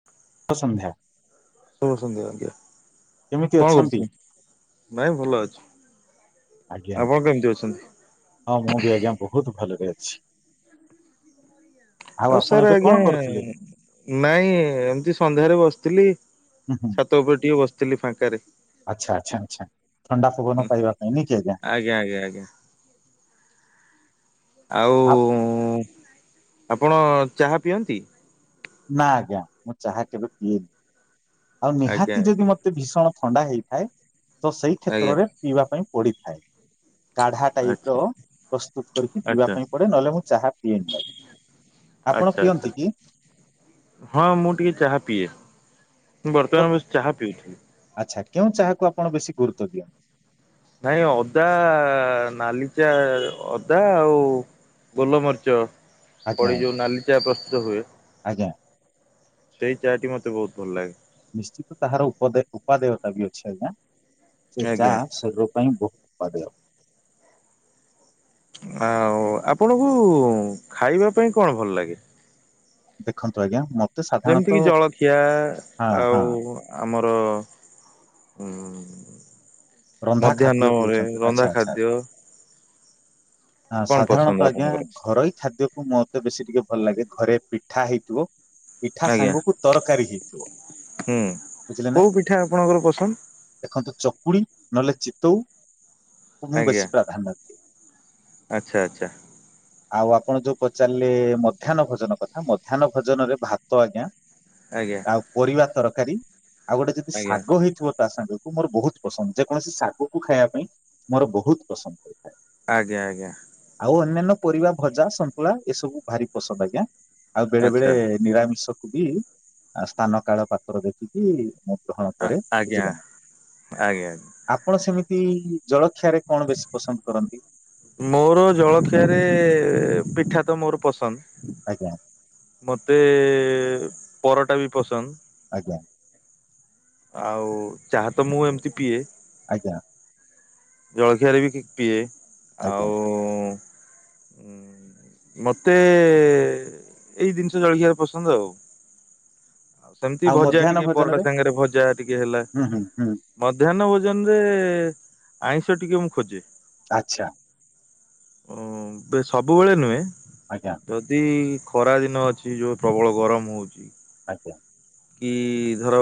[inaudible] ସନ୍ଧ୍ୟ। ସମ ସନ୍ଧ୍ୟ ଆଜ୍ଞା କେମିତି କଣ ଅଛନ୍ତି? କରୁଥିଲ ନାଇଁ ଭଲ ଅଛି। ଆଜ୍ଞା ଆପଣ କେମିତି ଅଛନ୍ତି? ଆଞା ହଁ ମୁଁ ବି ଆଜ୍ଞା ବହୁତ ଭଲରେ ଅଛି। ଆଉ ଆପଣ ସାର୍ ଏବେ କଣ ଆଜ୍ଞା କରୁଥିଲେ? ନାଇଁ ଏମିତି ସନ୍ଧ୍ୟାରେ ବସିଥିଲି ହୁଁ ହୁଁ ସାତ ବଟ ଟିକେ ବସିଥିଲି ଫାଙ୍କାରେ। ଆଚ୍ଛା ଆଚ୍ଛା ଆଚ୍ଛା ଥଣ୍ଡା ଖବର ପାଇବା ପାଇଁ ନ କି ଆଜ୍ଞା ଆଜ୍ଞା ଆଜ୍ଞା ଆଜ୍ଞା। ଆଉ ଆ ଆପଣ ଚାହା ପିଅନ୍ତି? ନା ଆଜ୍ଞା ମୁଁ ଚାହା କେବେ ପିଏନି ଆଉ ଆଜ୍ଞା ନିହାତି ଆଜ୍ଞା ଯଦି ମତେ ଏତେ ଭୀଷଣ ଥଣ୍ଡା ହେଇଥାଏ ତ ସେଇ ଆଜ୍ଞା କ୍ଷେତ୍ରରେ ପିଇବା ପାଇଁ ପଡିଥାଏ। କାଢା ଟାଇପ ଆଚ୍ଛା ର ପ୍ରସ୍ତୁତ କରିକି ପିଇବା ଆଚ୍ଛା ପାଇଁ ପଡେ ନହେଲେ ମୁଁ ଚାହା ପିଏନି। ଆପଣ ଆଚ୍ଛା ଆଚ୍ଛା। ପିଅନ୍ତି କି? ହଁ ମୁଁ ଟିକେ ଚାହା ପିଏ ମୁ ତ ବର୍ତ୍ତମାନ ବ ଚାହା ପିଉଚି। ଆଚ୍ଛା କେଉଁ ଚାହାକୁ ଆପଣ ବେଶୀ ଗୁରୁତ୍ବ ଦିଅନ୍ତି? ନାଇଁ ଅଦା ନାଲିଚା ଅଦା ଆଉ ଗୋଲ ମରିଚ। ଆଜ୍ଞା ପଡି ଆଜ୍ଞା ଯୋଉ ନାଲି ଚା ପ୍ରସ୍ତୁତ ହୁଏ ଆଜ୍ଞା ସେଇ ଚାଟି ମତେ ବହୁତ ଭଲ ଲାଗେ। ନିଶ୍ଚିତ ତାହାର ଉପଦ ଉପାଦେୟତା ବି ଅଛି ଆଜ୍ଞା ସେ ଆଜ୍ଞା। ଚାହା ଶରୀର ପାଇଁ ବହୁତ ଉପାଦେୟ। ଆଉ ଆପଣଙ୍କୁ ଖାଇବା ପାଇଁ କଣ ଭଲ ଲାଗେ? ଦେଖନ୍ତୁ ଆଜ୍ଞା ମତେ ଯେମିତି କିି ସାଧାରଣତଃ ଜଳଖିଆ ହଁ ହଁ ଆଉ ଆମର ଉଁ ରନ୍ଧା ଖାଦ୍ୟ ମଧ୍ୟାହ୍ନରେ କହୁଛନ୍ତି ଆଚ୍ଛା ରନ୍ଧା ଆଚ୍ଛା ଖାଦ୍ୟ। ଆ କଣ ପସନ୍ଦ ସାଧାରଣତଃ ଆଜ୍ଞା ଆପଣଙ୍କର? ଘରୋଇ ଖାଦ୍ୟ ମତେ ବେଶୀ ଟିକେ ଭଲ ଲାଗେ ଘରେ ପିଠା ହେଇଥିବ ପିଠା ଆଜ୍ଞା ସାଙ୍ଗକୁ ତରକାରୀ ହେଇଥିବ ହୁଁ ବୁଝିଲେ ନା। କୋଉ ପିଠା ଆପଣଙ୍କର ପସନ୍ଦ? ଦେଖନ୍ତୁ ଚକୁଳି ନହେଲେ ଚିତଉକୁ ମୁଁ ଆଜ୍ଞା ବେଶୀ ପ୍ରାଧ୍ୟାନ୍ୟ ଦିଏ। ଆଚ୍ଛା ଆଚ୍ଛା। ଆଉ ଆପଣ ଯୋଉ ପଚାରିଲେ ମଧ୍ୟାହ୍ନ ଭୋଜନ କଥା, ମଧ୍ୟାହ୍ନ ଭୋଜନ ରେ ଭାତ ଆଜ୍ଞା। ଆଜ୍ଞା। ଆଉ ପରିବା ତରକାରୀ ଆଉ ଗୋଟେ ଯଦି ଆଜ୍ଞା ଶାଗ ହେଇଥିବ ତା ସାଙ୍ଗକୁ। ଶାଗ ମୋର ବହୁତ ପସନ୍ଦ, ଯେକୌଣସି ଶାଗକୁ ଖାଇବା ପାଇଁ ମୋର ବହୁତ ପସନ୍ଦ। ଆଜ୍ଞା ଆଜ୍ଞା। ଆଉ ଅନ୍ୟାନ୍ୟ ପରିବା ଭଜା, ସନ୍ତୁଳା ଏସବୁ ଭାରି ପସନ୍ଦ ଆଜ୍ଞା, ଆଉ ବେଳେ ବେଳେ ଆଚ୍ଛା ନିରାମିଷ କୁ ବି ସ୍ଥାନ କାଳ ପାତ୍ର ଦେଖିକି ଗ୍ରହଣ ଆ ପରେ ଆଜ୍ଞା ବୁଝିଲେ ନା? ଆଜ୍ଞା। ଆପଣ ସେମିତି ଜଳଖିଆରେ କଣ ବେଶୀ ପସନ୍ଦ କରନ୍ତି? ମୋର ଜଳଖିଆରେ ପିଠା ତ ମୋର ପସନ୍ଦ। ଆଜ୍ଞା। ମୋତେ ପରଟା ବି ପସନ୍ଦ। ଆଜ୍ଞା। ଆଉ ଚାହା ତ ମୁଁ ଏମିତି ପିଏ। ଆଜ୍ଞା। ଜଳଖିଆରେ ବି ପିଏ ଆଜ୍ଞା ଆଉ। ମତେ ଏଇ ଜିନିଷ ଜଳଖଆ ରେ ପସନ୍ଦ ଆଉ। ଆଉ ସେମିତି ଭଜା ମଧ୍ୟାହ୍ନ ଟିକେ ପରଟା ଭୋଜନରେ ସାଙ୍ଗରେ ଭଜା ଟିକେ ହେଲା। ହୁଁ ହୁଁ ହୁଁ ମଧ୍ୟାହ୍ନ ଭୋଜନ ରେ ଆଇଁଷ ଟିକେ ମୁଁ ଖୋଜେ। ଆଚ୍ଛା। ଓ ସବୁବେଳେ ନୁହେଁ। ଆଜ୍ଞା। ଯଦି ଖରା ଦିନ ଅଛି, ଯୋଉ ପ୍ରବଳ ଗରମ ହଉଛି। ଆଜ୍ଞା। କି ଧର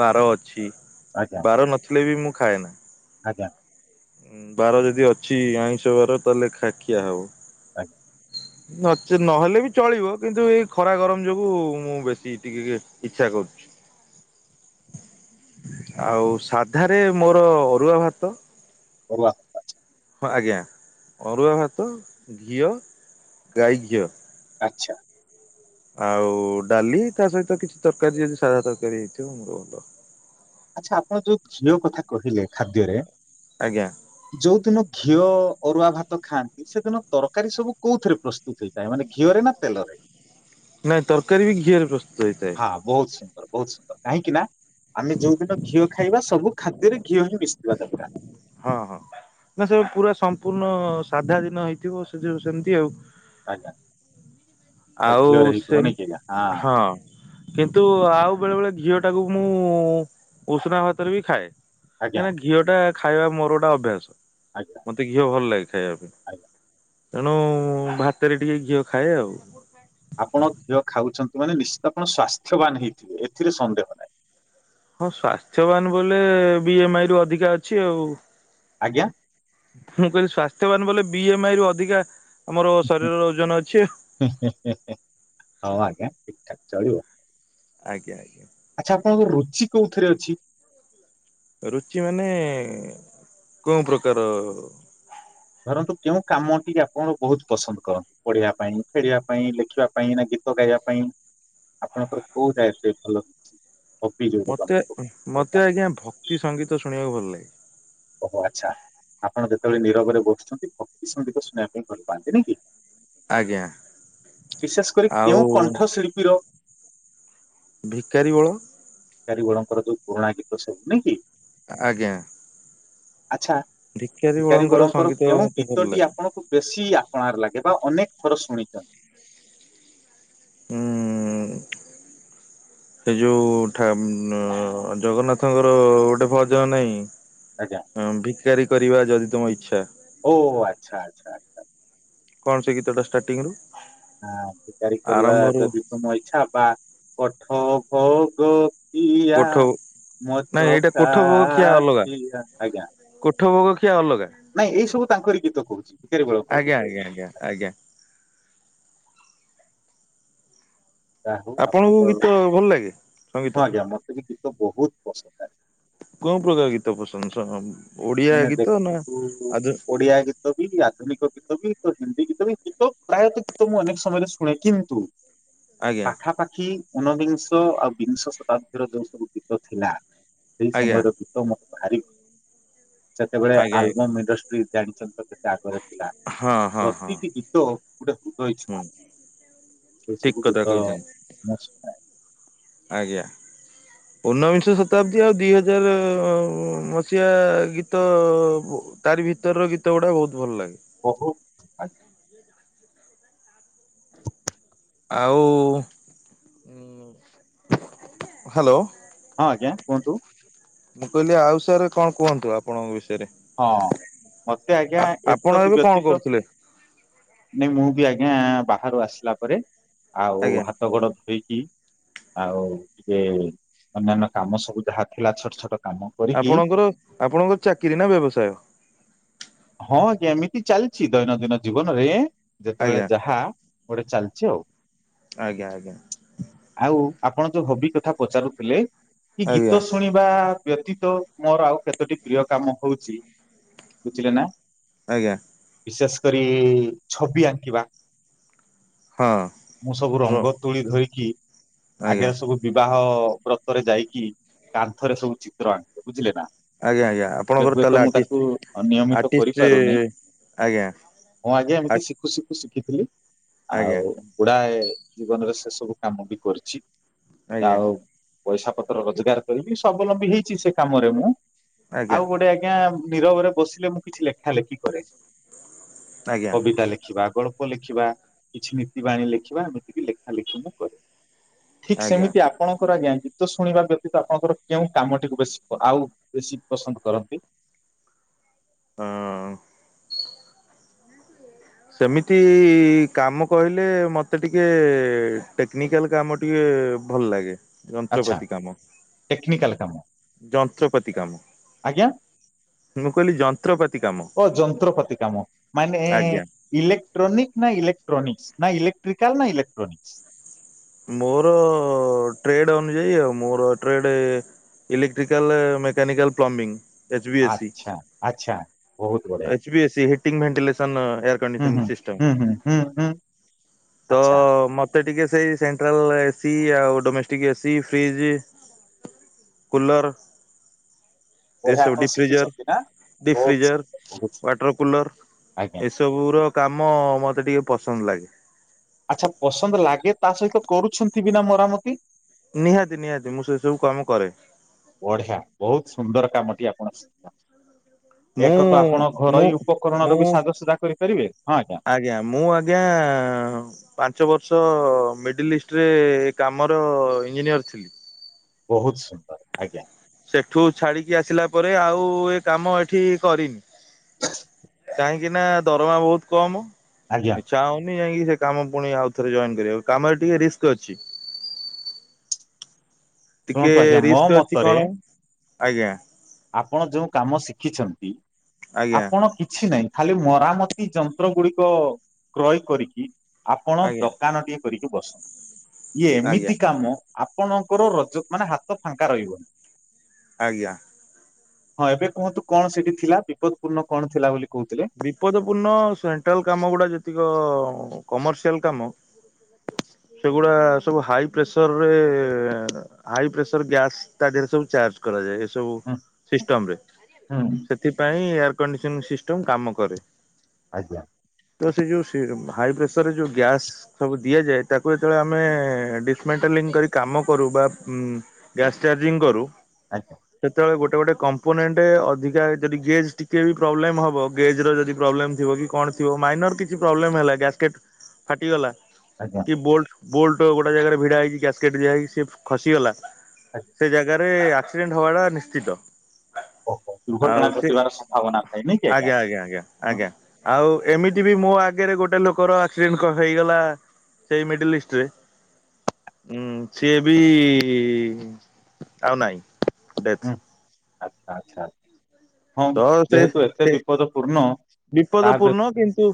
ବାର ଅଛି, ଆଜ୍ଞା ବାର ନଥିଲେ ବି ମୁଁ ଖାଏନା। ଆଜ୍ଞା। ବାର ଯଦି ଅଛି ଆଇଁଷ ବାର ତାହେଲେ ଖିଆ ହବ। ଆଜ୍ଞା। ନଚେ ନହେଲେ ବି ଚଳିବ କିନ୍ତୁ ଏଇ ଖରା ଗରମ ଯୋଗୁଁ ମୁଁ ବେଶୀ ଟିକେ। ଇଛା କରୁଛି। [inaudible] ଆଉ ସାଧାରେ ମୋର ଅରୁଆ ଭାତ। ଅରୁଆ। ଭାତ, ଆଚ୍ଛା ହଁ ଆଜ୍ଞା ଅରୁଆ ଭାତ ଘିଅ, ଗାଈ ଘିଅ। ଆଛା। ଆଉ ଡାଲି ତା ସହିତ କିଛି ତରକାରୀ ଯଦି ସାଧା ତରକାରୀ ହେଇଥିବ ମୋର ଭଲ। ଆଛା, ଆପଣ ଯୋଉ ଘିଅ କଥା କହିଲେ ଖାଦ୍ୟରେ ଆଜ୍ଞା। ଯୋଉ ଦିନ ଘିଅ ଅରୁଆ ଭାତ ଖାଆନ୍ତି ସେଦିନ ତରକାରୀ ସବୁ କୋଉଥିରେ ପ୍ରସ୍ତୁତ ହେଇଥାଏ, ମାନେ ଘିଅରେ ନା ତେଲରେ ନାଇଁ ତରକାରୀ ବି ଘିଅରେ ପ୍ରସ୍ତୁତ ହେଇଥାଏ। ହଁ ବହୁତ ସୁନ୍ଦର, ବହୁତ ସୁନ୍ଦର, କାହିଁକି ନା ଆମେ ଯଉ ଦିନ ଘିଅ ଖାଇବା ସବୁ ଖାଦ୍ୟରେ ଘିଅ ହିଁ ମିଶିବା ଦରକାର। ହଁ ହଁ। ନା ସେ ପୁରା ସମ୍ପୂର୍ଣ୍ଣ ସାଧା ଦିନ ହେଇଥିବ, ସେ ଯଉ ସେମିତି ଆଉ। ଆଜ୍ଞା ବା ଆଉ ଘିଅରେ ହେଇଥିବ ସେ ନାଇଁ କି ଆଜ୍ଞା ହଁ କିନ୍ତୁ ଆଉ ବେଳେ ବେଳେ ଘଝିଅ ଟାକୁ ମୁଁ ଉଷୁନା ଭାତରେ ବି ଖାଏ। ଆଜ୍ଞା କାହିଁକନା ଘିଅ ଟା ଖାଇବା ମୋର ଗୋଟା ଅଭ୍ୟାସ। ଆଜ୍ଞା। ମତେ ଘିଅ ଭଲ ଲାଗେ ଖାଇବା ପାଇଁ ଆଜ୍ଞା ତେଣୁ ଭାତରେ ଟିକେ ଘିଅ ଖାଏ ଆଉ ଆପଣ ଘିଅ ଖାଉଛନ୍ତି ମାନେ ନିଶ୍ଚିତ ଆପଣ ସ୍୍ୱାସ୍ଥ୍ୟବାନ ହେଇଥିବେ ଏଥିରେ ସନ୍ଦେହ ନାହିଁ ହଁ ସଵାସ୍ଥ୍ୟବାନ ବୋଲେ ବି ଏମ ଆଇରୁ ଅଧିକା ଅଛି ଆଉ ଆଜ୍ଞା ମୁଁ କହିଲି ସ୍୍ୱାସ୍ଥ୍ୟବାନ ବଲେ ବି ଏମ ଆଇ ରୁ ଅଧିକା ଆମର ଶରୀରର ଓଜନ ଅଛି ହଉ ଆ୍ଞା ଠିକ ଠାକ ଚଳିବ ଆଜ୍ଞା ଆଜ୍ଞା ଆଚ୍ଛା ଆପଣଙ୍କ ରୁଚି କୋଉଥିରେ ଅଛି ରୁଚି ମାନେ କୋଉ ପ୍ରକାର ଧରନ୍ତୁ କେଉଁ କାମ ଟ ଆପଣଙ୍କ ବହୁତ ପସନ୍ଦ କରନ୍ତି ପଢିବା ପାଇଁ ଖେଳିବା ପାଇଁ ଲେଖିବା ପାଇଁ ନା ଗୀତ ଗାଇବା ପାଇଁ ଆପଣଙ୍କର କୋଉ ଟା ଭଲ ହଛି ମତେ ମତେ ଆଜ୍ଞା ଭକ୍ତି ସଙ୍ଗୀତ ଶୁଣିବାକୁ ଭଲ ଲାଗେ ଓହୋ ଆଚ୍ଛା ଆପଣ ଯେତେବେଳେ ନିରବରେ ବସୁଛନ୍ତି ଭକ୍ତି ସମଧୀକୁ ଶୁଣିବା ପାଇଁ ଭଲ ପାଆନ୍ତି ନ କି ଆଜ୍ଞା ବିଶେଷ କରି ଆଉ କେଉଁ କଣ୍ଠ ଶିଳ୍ପୀର ଭିକାରୀ ବଳ କାରିଗୋଳଙ୍କର ଯୋଉ ପୁରୁଣା ଗୀତ ସେ ହଉନି କି ଆଜ୍ଞା ଆଚଛା ଭିକାରୀ ବଳଙ୍କର ସଙ୍ଗୀତ କେଉଁ ମତେ ଭଲ ଗୀତଟି ଲାଗେ। ଆପଣଙ୍କୁ ବେଶୀ ଆପଣାର୍ ଲାଗେ ବା ଅନେକ ଥର ଶୁଣିଛନ୍ତି ଉଁ [inaudible] ସେ ଯୋଉ ଜଗନ୍ନାଥଙ୍କର ଗୋଟେ ଭଜନ ନାହିଁ ଆଜ୍ଞା ହଁ ଭିକାରୀ କରିବା ଯଦି ତମ ଇଚ୍ଛା ଓ ଆଚ୍ଛା ଆଚ୍ଛାଛା କଣ ସେ ଗୀତ ଟା ଷ୍ଟାର୍ଟିଂ ରୁ ଆ ବିକାରୀ କରିବା ଆରମ୍ଭରୁ ଯଦି ତୁମ ଇଚଛା ବା କଠ ଭୋଗ କୋଠ ମୋ ନାଇଁ ଏଇଟା କୋଠ ଭୋଗ ଖିଆ ଅଲଗା ଚକାିଆ ଆଜ୍ଞା କୋଠ ଭୋଗ ଖିଆ ଅଲଗା ନାଇଁ ଏଇ ସବୁ ତାଙ୍କର ଗୀତ କହୁଛି ବିକୋର ଆଜ୍ଞା ବଳଙ୍କରୀତ ଏ ସବୁ ଆଜ୍ଞା ଆଜ୍ଞା ଆଜ୍ଞା ଯହୁ ଆପଣଙ୍କୁ ଆପଣଙ୍କର ଗୀତ ଭଲ ଲାଗେ ସଙ୍ଗୀତ ହଁ ଆଜ୍ଞା ମତେ ବି ଗୀତ ବହୁତ ପସନ୍ଦ ଆଛି କଣ ପ୍ରକାର ଗୀତା ପସନ୍ଦ ସ ମାନେ ଦେଖନ୍ତୁ ଓଡିଆ ଗୀତ ଗୀତ ବି ଆଧୁନିକ ଗୀତ ବି ତ ହିନ୍ଦୀ ଗୀତ ବି ଗୀତ ପ୍ରାୟତଃ ଗୀତ ମୁଁ ଅନେକ ସମୟରେ ଶୁଣେ କିନ୍ତୁ ଆଜ୍ଞା ପାଖାପାଖି ଉଣବିଂଶ ଆଉ ବିଂଶ ଶତାବ୍ଦୀର ଯୋଉ ସବୁ ଗୀତ ଥିଲା ସେଇ ଆଜ୍ଞା ସମୟର ଗୀତ ମୋତେ ଭାରି ସେତେବେଳେ ଆଜ୍ଞା ଆଜ୍ଞା ଆଲବମ୍ ଇଣ୍ଡଷ୍ଟ୍ରି ଜାଣିଛନ୍ତି କେତେ ଆଗରେ ହଁ ହଁ ହଁ ତୋ ଗୋଟେ ହୃଦୟ ହୁଁ ଛୁଆ ସେ ଠିକ ସବୁ କଥା ଗୀତ କହିଛନ୍ତି ମୁ ଶୁଣେ ଆଜ୍ଞା ଉଣବିଂଶ ଶତାବ୍ଦୀ ଆଉ ଦୁଇ ହଜାର ମସିହା ଗୀତ ତାରି ଭିତର ଗୀତ ଗୁଡ଼ା ବହୁତ ଭଲ ଲାଗେ ଓହୋ ଆଜ୍ା ଆଉ ହ୍ୟାଲୋ ହଁ ଆଜ୍ଞା କୁହନ୍ତୁ ମୁଁ କହିଲି ଆଉ ସାର୍ କଣ କୁହନ୍ତୁ ଆପଣଙ୍କ ବିଷୟରେ ହଁ ମତେ ଆଜ୍ଞା ଆ ଆପଣ ଏତ ତ ଏବେ କଣ ବ୍ୟତୀତ କରୁଥିଲେ ନାଇଁ ମୁଁ ବି ଆଜ୍ଞା ବାହାରୁ ଆସିଲା ପରେ ଆଉ ଆଜ୍ଞା ହାତ ଗୋଡ ଧୋଇକି ଆଉ ଟିକେ ଅନ୍ୟାନ୍ୟ କାମ ସବୁ ଯାହା ଥିଲା ଛୋଟ ଛୋଟ କାମ କରିକି ଆପଣଙ୍କର ଆପଣଙ୍କର ଚାକିରୀ ନା ବ୍ୟବସାୟ ହଁ ଆଜ୍ଞା ଏମିତି ଚାଲିଛି ଦୈନନ୍ଦିନ ଜୀବନରେ ଯେତେବେଳେ ଆଜ୍ଞା ଯାହା ଗୋଟେ ଚାଲଛି ଆଉ ଆଜ୍ଞା ଆଜ୍ଞା ଆଉ ଆପଣ ଯୋଉ ହବି କଥା ପଚାରୁଥିଲେ କି ଆଜ୍ଞା ଗୀତ ଶୁଣିବା ବ୍ୟତୀତ ମୋର ଆଉ କେତୋଟି ପ୍ରିୟ କାମ ହଉଛି ବୁଝିଲେ ନା ଆଜ୍ଞା ବିଶେଷ କରି ଛବି ଆଙ୍କିବା ହଁ ମୁଁ ସବୁ ର ରଙ୍ଗ ତୁଳି ଧରିକି ଆଜ୍ଞା ଆଗରେ ସବୁ ବିବାହ ବ୍ରତରେ ଯାଇକି କାନ୍ଥରେ ସବୁ ଚିତ୍ର ଆଙ୍କେ ବୁଝିଲେ ନା ଆଜ୍ଞା ଆଜ୍ଞା ଏବେ ଆପଣଙ୍କର ହୁଏତ ମୁଁ ତାହେଲେ ତାକୁ ଆଟିଷ୍ଟ ନିୟମିତ କରିପାରୁନି ଆଟିଷ୍ଟ ଆଜ୍ଞା ମୁଁ ଆଜ୍ଞା ଏମିତି ଶିଖୁ ଶିଖୁ ଶିଖିଥିଲି ଆଜ୍ଞା ଆଉ ଗୁଡାଏ ଜୀବନରେ ସେ ସବୁ କାମ ବି କରିଛି ଆଜ୍ଞା ଆଉ ପଇସା ପତ୍ର ରୋଜଗାର କରିବି ସ୍ଵବଲମ୍ବୀ ହେଇଛି ସେ କାମରେ ମୁଁ ଆଜ୍ଞା ଆଉ ଗୋଟେ ଆଜ୍ଞା ନିରବରେ ବସିଲେ ମୁଁ କିଛି ଲେଖା ଲେଖି କରେ ଆଜ୍ଞା କବିତା ଲେଖିବା କଣ ଲେଖିବା କିଛି ନୀତି ବାଣୀ ଲେଖିବା ଏମିତିକି ଲେଖା ଲେଖି ମୁଁ କରେ ଠିକ ଆଜ୍ଞା ସେମିତିଆ ଆପଣଙ୍କର ଆଜ୍ଞା ଗୀତ ଶୁଣିବା ବ୍ୟତୀତ ଆପଣଙ୍କର କେଉଁ କାମଟିକୁ ବେଶୀ ଆଉ ବେଶୀ ପସନ୍ଦ କରନ୍ତି ହଁ ସେମିତି କାମ କହିଲେ ମତେ ଟିକେ ଟେକ୍ନିକାଲ କାମ ଟିକେ ଭଲ ଲାଗେ ଆଚ୍ଛା ଯନ୍ତ୍ରପାତି କାମ ଟେକ୍ନିକାଲ କାମ ଯନ୍ତ୍ରପାତି କାମ ଆଜ୍ଞା ମୁଁ କହିଲି ଯନ୍ତ୍ରପାତି କାମ ଓ ଆଜ୍ଞା ଇଲେଟ୍ରୋନିକ୍ ନା ଇଲେଟ୍ରୋନିକ୍ସ ନା ଇଲେଟ୍ରିକାଲ ନା ଇଲେଟ୍ରୋନିକ୍ସ ମୋର ଟ୍ରେଡ ଅନୁଯାୟୀ ଆଉ ମୋର trade electrical mechanical plumbing H V A C ଆଚ୍ଛା ଆଚ୍ଛା ବହୁତ ବଢିଆ H V A C heating ventilation ହୁଁ କଣ୍ଡିସନ ହୁଁ ସିଷ୍ଟମ ହୁଁ ହୁଁ ହୁଁ ହୁଁ ତ ଆଚ୍ଛା ମତେ ଟିକେ ସେଇ ସେଣ୍ଟ୍ରାଲ ଏସି ଆଉ ଡୋମେଷ୍ଟିକ ଏସି ଫ୍ରିଜ କୁଲର୍ ବଢିଆ ଏସବୁ ଆପଣ ଡି ଫ୍ରିଜର ଶିଖିଛନ୍ତି ନା? ଡି ବହୁତ ଫ୍ରିଜର ସୁନ୍ଦର ବହୁତ ସୁନ୍ଦର ୱାଟର କୁଲର ଆଜ୍ଞା ଏସବୁ ସବ ର କାମ ମତେ ଟିକେ ପସନ୍ଦ ଲାଗେ ଆଚ୍ଛା ପସନ୍ଦ ଲାଗେ ତା ସହିତ କରୁଛନ୍ତି ବିନା ମରାମତି ନିହାତି ନିହାତି ମୁଁ ସେ ସବୁ କାମ କରେ ବଢିଆ ବହୁତ ସୁନ୍ଦର କାମଟି ଆପଣ ଶଖ ମୁଁ ଏକ ତ ଆପଣ ମୁଁ ଘରୋଇ ଉପକରଣ ର ବି ମୁଁ ସାଜସଜା କରିପାରିବେ ହଁ ଆଜ୍ଞା ଆଜ୍ଞା ମୁଁ ଆଜ୍ଞା ପାଞ୍ଚ ବର୍ଷ ମିଡିଲ ଇଷ୍ଟରେ କାମର ଇଞ୍ଜିନିୟର ଥିଲି ବହୁତ ସୁନ୍ଦର ଆଜ୍ଞା ସେଠୁ ଛାଡିକି ଆସିଲା ପରେ ଆଉ ଏ କାମ ଏଠି କରିନି ହ କାହିଁକି ନା ଦରମା ବହୁତ କମ ଆଜ୍ଞା ଚାହୁଁନି ଯାଇକି ସେ କାମ ପୁଣି ଆଉ ଥରେ ଜଏନ କର କାମରେ ଟିକେ ରିସ୍କ ଅଛି ଟିକେ ଶୁଣନ୍ତୁ ଆଜ୍ଞା ମୋ ରିସ୍କ ଅଛି ମତରେ କଣ ଆଜ୍ଞା ଆପଣ ଯୋଉ କାମ ଶିଖିଛନ୍ତି ଆଜ୍ଞା ଆଜ୍ଞା ଆପଣ କିଛି ନାହିଁ ଖାଲି ମରାମତି ଯନ୍ତ୍ର ଗୁଡ଼ିକ କ୍ରୟେ କରିକି। ଆପଣ ଆଜ୍ଞା ଦକାନ ଟିଏ କରିକି ବସ, ଇଏ ଆଜ୍ଞା। ଏମିତି କାମ ଆପଣଙ୍କର ମାନେ ହାତ ଫାଙ୍କା ରହିବନି। ଆଜ୍ଞା। ହଁ! ଏବେ କୁହନ୍ତୁ କ'ଣ ସେଠି ଥିଲା, ବିପଦ୍ ପୂର୍ଣ୍ଣ କ'ଣ ଥିଲା ବୋଲି କହୁଥିଲେ। ବିପଦ ପୂର୍ଣ୍ଣ ସେଣ୍ଟ୍ରାଲ୍ କାମ ଗୁଡା ଯେତିକ କମର୍ସିଆଲ୍ କାମ। ସେଗୁଡ଼ା ସବୁ ହାଇ ପ୍ରେସର୍ ରେ। ହାଇ ପ୍ରେସର୍ ଗ୍ୟାସ୍ ତା ଦେହରେ ସବୁ ଚାର୍ଜ। କରାଯାଏ, ଏ ସବୁ ହୁଁ ସିଷ୍ଟମ୍ ରେ। ହୁଁ ସେଥିପାଇଁ ଏୟାର୍ କାମ କରେ। [inaudible] ତ ସେଇ ଯଉ, ହାଇ ପ୍ରେସର୍ ରେ ଯଉ ଗ୍ୟାସ୍। ସବୁ ଦିଆଯାଏ, ତାକୁ ଯେତ--ଳେ ଆମେ ଡିସ୍‌ମେଣ୍ଟାଲି କରି କାମ କରୁ। ବା ଗ୍ୟାସ୍ ଚାର୍ଜିଂ କରୁ। ଆଚ୍ଛା ସେତେବେଳେ ଗୋଟେ ଗୋଟେ କମ୍ପୋନେଣ୍ଟେ ଅଧିକା ଯଦି ଗେ ଟିକେ ବି ପ୍ରୋବ୍ଲେମ୍ ହ ଗେଜ୍‌ର ଯଦି ପ୍ରୋବ୍ଲେମ୍ ଥିବ କି କ'ଣ ଥିବ। ମାଇନର୍ କିଛି ପ୍ରୋବ୍ଲେମ୍ ହେଲା, ଗ୍ୟାସ୍‌ କେଟ୍ ଫାଟି ଗଲା। ଆଜ୍ଞା। ବୋଲ୍ଟ ଗୋଟେ ଜାଗା ରେ ଭିଡ଼ା ହେଇକି, ଗ୍ୟାସ୍‌ କେଟ୍ ଦିଆ ହେଇକି ଖସି ଗଲା। ଆଜ୍ଞା ସେ ଆକ୍ସିଡ଼େଣ୍ଟ୍ ହବାଟା ନିଶ୍ଚିତ। ଦୁର୍ଘଟଣା ଆଉ ସେ ଘଟିବାର ସମ୍ଭାବନା ଥାଏ, ନେଇଁ କି ଆଜ୍ଞା। ଆଜ୍ଞା ଆଜ୍ଞା ହୁଁ ଆଜ୍ଞା, ଆଉ ଏମିତି ବି ମୋ ଆଗରେ ଗୋଟେ ଲୋକର ଆକ୍ସିଡ଼େଣ୍ଟ୍ ହେଇଗଲା। ସେଇ ମେଡ଼େ ଲିଷ୍ଟ୍ ରେ। [inaudible] ହୁଁ ହଁ, ଯେହେତୁ ଏତେ ବିପଦ ପୂର୍ଣ୍ଣ। ବିପଦ ପୂର୍ଣ୍ଣ କିନ୍ତୁ,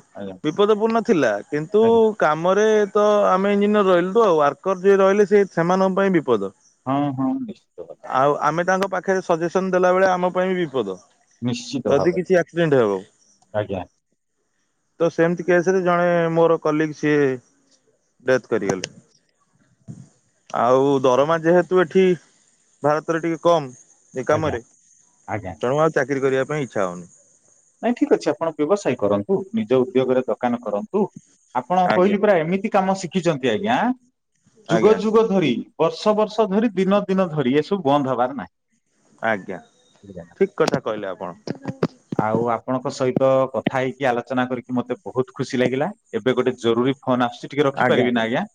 ବିପଦ ପୂର୍ଣ୍ଣ ଥିଲା। କିନ୍ତୁ ଆଜ୍ଞା କାମରେ ତ ଆମେ ଇଞ୍ଜିନିୟର୍ ରହିଲୁୁ ୱାର୍କର ଯିଏ ରହିଲେ ସେମାନଙ୍କ ପାଇଁ ବିପଦ। [inaudible] ଆଉ ଆମେ ତାଙ୍କ ପାଖେରେ ସଜେସନ୍‌ ଦେଲା ବେଳେ ଆମ ପାଇଁ ବିପଦ। ନିଶ୍ଚିତ ଯଦି ଭାବରେ କିଛି ଆକ୍ସିଡ଼େଣ୍ଟ୍ ହେବ। ଆଜ୍ଞା ତ ସେମ୍ତି କେସେରେ ଜଣେ ମୋର କଲିକ୍ ସିଏ। ଡ଼େଥ୍ କରି ଗଲେ। ଆଉ ଦରମା ଯେହେତୁ ଏଠି ଭାରତରେ ଟିକେ କମ୍। ଏ ଆଜ୍ଞା କାମରେ, ଆଜ୍ଞା ତେଣୁ ଆଉ ଚାକିରି କରିବା ପାଇଁ ଇଚ୍ଛା ହଉନି। ନାଇଁ ଠିକ୍ ଅଛି ଆପଣ ବ୍ୟବସାୟୀ କରନ୍ତୁ, ନିଜ ଉଦ୍ୟୋଗରେ ଦୋକାନ କରନ୍ତୁ। ଆପଣ ଆଜ୍ଞା କହିଲି ପୁର ଏମିତି କାମ ଶିଖିଛନ୍ତି ଆଜ୍ଞା। ଯୁଗ ଆଜ୍ଞା। ଯୁଗ ଧରି, ବର୍ଷ ବର୍ଷ ଧରି ଦିନ ଦିନ ଧରି ଏସବୁ ବନ୍ଦ୍ ହେବାର ନାହିଁ। ଆଜ୍ଞା, ବୁଝିଲେ ନା। ଠିକ୍ କଥା କହିଲେ ଆପଣ। ଆଉ ଆପଣଙ୍କ ସ--ତ କଥା ହେଇକି ଆଲୋଚନା କରିକି ମତେ ବହୁତ୍ ଖୁସି ଲାଗିଲା। ଏବେ ଗୋଟେ ଜରୁରୀ ଫୋନ୍‌ ଆସ୍‌ ଟିକେ ରଖିପାରିବି ନା ଆଜ୍ଞା।